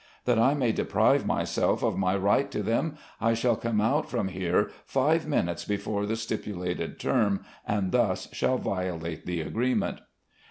That I may deprive myself of my right to them, I shall come out from here five minutes before the stipulated term, and thus shall violate the agreement."